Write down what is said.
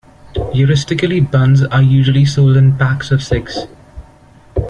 Heuristically buns are usually sold in packs of six.